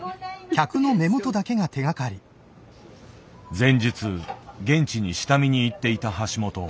前日現地に下見に行っていた橋本。